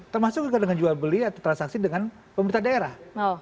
termasuk juga dengan jual beli atau transaksi dengan pemerintah daerah